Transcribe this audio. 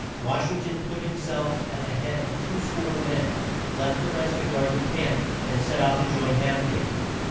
Wash ing ton put him self at the head of two score men, left the rest to guard the camp, and set off to join Half King.